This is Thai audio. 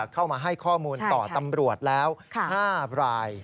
เข้ามาให้ข้อมูลต่อตำรวจแล้ว๕ราย